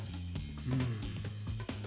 うん。